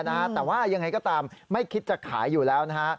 แต่ว่ายังไงก็ตามไม่คิดจะขายอยู่แล้วนะฮะ